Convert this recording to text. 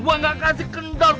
gue nggak kasih kendor